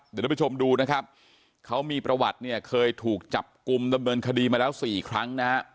เดี๋ยวท่านผู้ชมดูนะครับเขามีประวัติเนี่ยเคยถูกจับกลุ่มดำเนินคดีมาแล้วสี่ครั้งนะฮะ